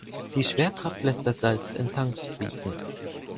Die Schwerkraft lässt das Salz in Tanks fließen.